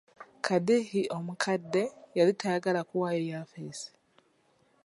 Kadhi omukadde yali tayagala kuwaayo yafesi.